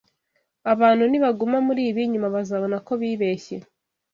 Abantu nibaguma muri ibi, nyuma bazabona ko bibeshye